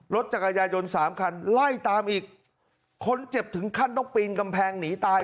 จักรยายนสามคันไล่ตามอีกคนเจ็บถึงขั้นต้องปีนกำแพงหนีตาย